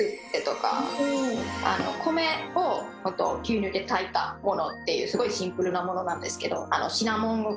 米を牛乳で炊いたものっていうすごいシンプルなものなんですけど。